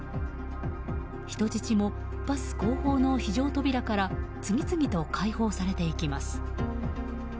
人質も、バス後方の非常扉から次々と解放されていきます。